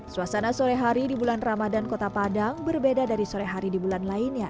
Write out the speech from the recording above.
suasana sore hari di bulan ramadan kota padang berbeda dari sore hari di bulan lainnya